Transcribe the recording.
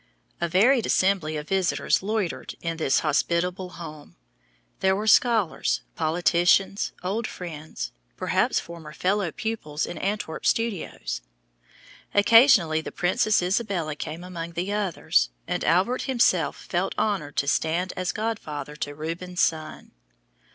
A varied assembly of visitors loitered in this hospitable home. There were scholars, politicians, old friends perhaps former fellow pupils in Antwerp studios. Occasionally the princess Isabella came among the others, and Albert himself felt honored to stand as god father to Rubens' son.